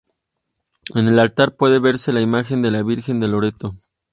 En el altar puede verse la imagen de la Virgen de Loreto.